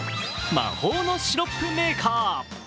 魔法のシロップメーカー。